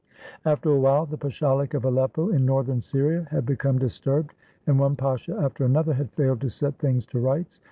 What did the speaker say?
After a while, the pashalic of Aleppo, in Northern Syria, had become disturbed, and one pasha after an other had failed to set things to rights.